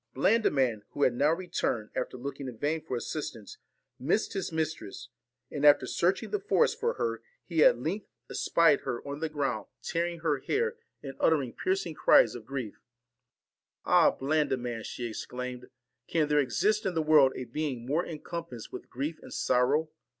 Blandiman, who had now returned, after looking in vain for assistance, missed his mistress; and after searching the forest for her, he at length 37 VALEN espied her on the ground, tearing her hair, and TINE AND uttering piercing cries of grief. ' Ah, Blandiman !' ORSON she exclaimed, 'can there exist in the world a being more encompassed with grief and sorrow?